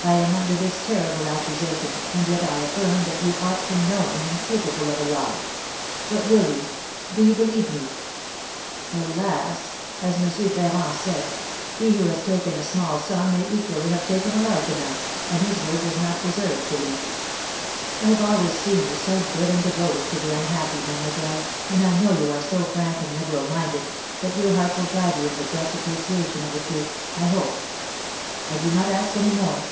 I am under this terrible accusation, and yet I affirm that you ought to know me incapable of a lie. But will you, do you believe me? Alas, as M. Ferrand said, 'he who has taken a small sum may equally have taken a large amount, and his word does not deserve belief.' I have always seen you so good and devoted to the unhappy, mademoiselle, and I know you are so frank and liberal minded, that your heart will guide you in the just appreciation of the truth, I hope. I do not ask any more.